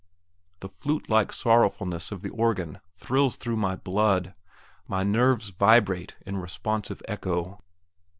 The flute like sorrowfulness of the organ thrills through my blood; my nerves vibrate in responsive echo.